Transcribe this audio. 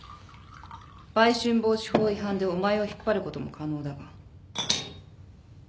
売春防止法違反でお前を引っ張ることも可能だが。